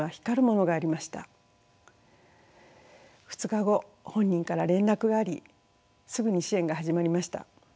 ２日後本人から連絡がありすぐに支援が始まりました。